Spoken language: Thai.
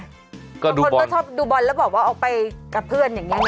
บางคนก็ชอบดูบอลแล้วบอกว่าออกไปกับเพื่อนอย่างนี้นะ